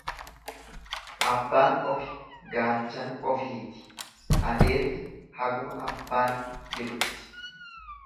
Abbaan ofi gaachana ofiiti, adeerri haguma abbaan jirutti.